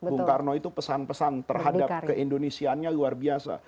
bung karno itu pesan pesan terhadap keindonesiannya luar biasa